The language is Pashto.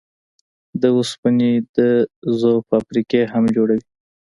د اوسپنې د ذوب فابريکې هم جوړوي.